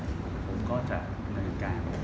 ผมก็จะเหนื่อยกัน